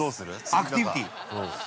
◆アクティビティ。